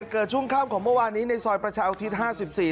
เกิดช่วงข้ามของเมื่อวานี้ในซอยประชาอาทิตย์๕๔